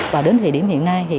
và đến thời điểm hiện nay